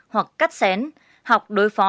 hoặc cắt xén học đối phó